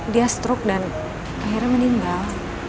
dia stroke dan akhirnya meninggal